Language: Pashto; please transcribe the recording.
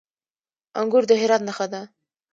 انګور د هرات نښه ده.